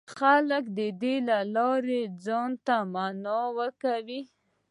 خلک د دې له لارې ځان ته مانا ورکوي.